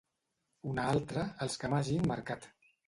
Una altra, els que m'hagin marcat.